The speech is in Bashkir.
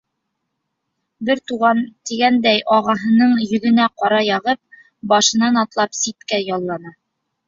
Бер туған тигәндәй ағаһының йөҙөнә ҡара яғып, башынан атлап ситкә яллана.